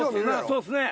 そうっすね。